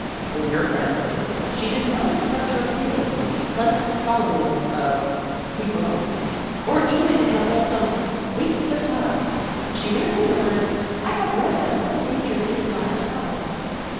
When your friend heard it, she did not express her opinion with the pleas ant scholarliness of " Cui bono?" or even in a wholesome " Waste of time !" She merely murmured, " I have read that one danger is lack of balance."